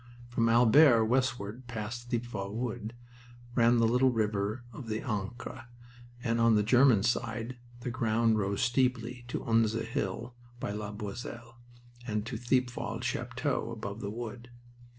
From Albert westward past Thiepval Wood ran the little river of the Ancre, and on the German side the ground rose steeply to Usna Hill by La Boisselle, and to Thiepval Chateau above the wood.